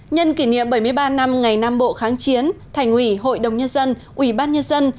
nhân kỷ niệm bảy mươi ba năm ngày nam bộ kháng chiến thành ủy hội đồng nhân dân ủy ban nhân dân